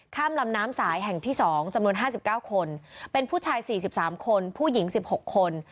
ลำน้ำสายแห่งที่๒จำนวน๕๙คนเป็นผู้ชาย๔๓คนผู้หญิง๑๖คน